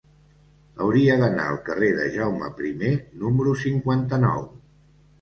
Hauria d'anar al carrer de Jaume I número cinquanta-nou.